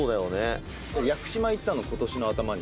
「俺屋久島行ったの今年の頭に」